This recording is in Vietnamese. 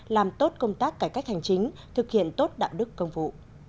làm tốt công tác cải cách hành chính thực hiện tốt đạo đức công vụ